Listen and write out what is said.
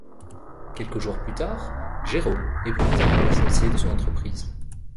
Quelques jours plus tard, Jérôme est brutalement licencié de son entreprise.